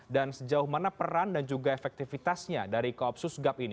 dan sejauh mana peran dan juga efektivitasnya dari koopsus gap ini